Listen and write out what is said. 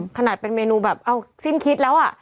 ขนาดเป็นเมนูแบบเอาสิ้นคิดแล้วอ่ะ